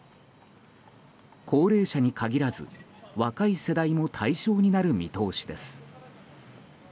高齢者に限らず若い世代も対象になる見通しです。